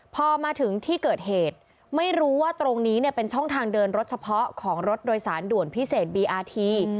พอมาถึงที่เกิดเหตุไม่รู้ว่าตรงนี้เนี่ยเป็นช่องทางเดินรถเฉพาะของรถโดยสารด่วนพิเศษบีอาที